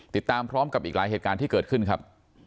ติดตามพร้อมกับอีกหลายเหตุการณ์ที่เกิดขึ้นครับ